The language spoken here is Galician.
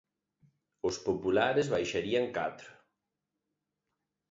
Os populares baixarían catro.